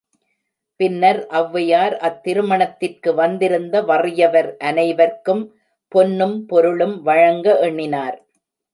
பின்னர் ஒளவையார் அத் திருமணத்திற்கு வந்திருந்த வறியவர் அனைவர்க்கும் பொன்னும் பொருளும் வழங்க எண்ணினார்.